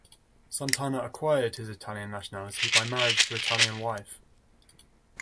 Santana acquired his Italian nationality by marriage to Italian wife.